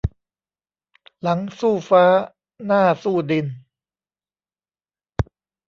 หลังสู้ฟ้า หน้าสู้ดิน